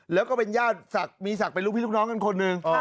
แล้วก็เป็นญาติมีศักดิ์เป็นลูกพี่ลูกน้องกันคนหนึ่ง